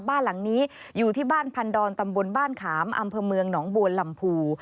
บ้านหลังนี้อยู่ที่บ้านพันดอนตำบลบ้านขามอำเภอเมืองหนองบัวลำพู